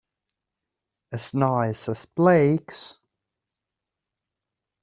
As nice as Blake's?